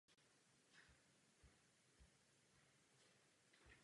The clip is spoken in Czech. I artefakty z neolitu a následných kultur ji řadí mezi významnou archeologickou lokalitu.